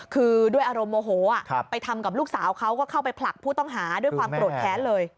คือด้วยอารมณ์โมโหไปทำกับลูกสาวเขาก็เข้าไปผลักผู้ต้องหาด้วยความโกรธแค้นเลย